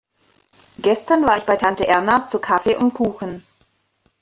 Gestern war ich bei Tante Erna zu Kaffee und Kuchen.